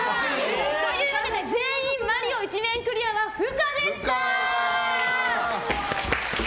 というわけで全員「マリオ」１面クリアは不可でした。